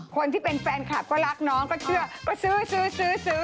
คนที่เป็นแฟนคลับก็รักน้องก็เชื่อก็ซื้อซื้อ